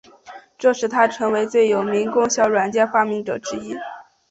这使他成为最有名的共享软件发明者之一。